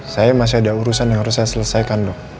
saya masih ada urusan yang harus saya selesaikan dok